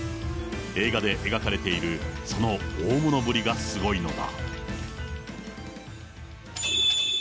映画で描かれているその大物ぶりがすごいのだ。